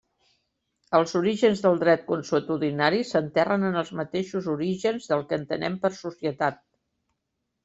Els orígens del dret consuetudinari s'enterren en els mateixos orígens del que entenem per societat.